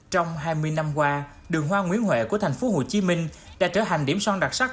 trong hai mươi năm qua đường hoa nguyễn huệ của tp hcm đã trở thành điểm son đặc sắc